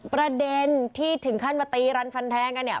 ประเด็นที่ถึงขั้นมาตีรันฟันแทงกันเนี่ย